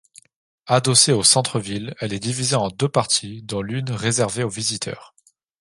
Adossée au centre-ville, elle est divisée en deux parties, dont l'une réservée aux visiteurs.